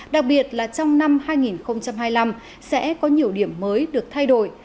đặc biệt là trong năm hai nghìn hai mươi năm sẽ có nhiều điểm mới được thay đổi